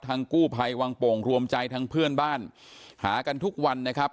กู้ภัยวังโป่งรวมใจทั้งเพื่อนบ้านหากันทุกวันนะครับ